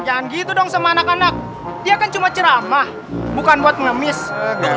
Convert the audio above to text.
jangan gitu dong sama anak anak dia kecil distintuh bukan buat mengemis kenapa bang